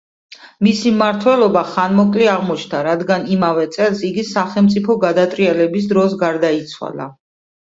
მისი მმართველობა ხანმოკლე აღმოჩნდა, რადგანაც, იმავე წელს, იგი სახელმწიფო გადატრიალების დროს გარდაიცვალა.